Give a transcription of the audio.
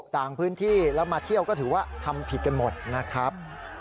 ต่างพื้นที่แล้วมาเที่ยวก็ถือว่าทำผิดกันหมดนะครับ